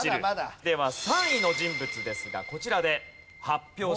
では３位の人物ですがこちらで発表します。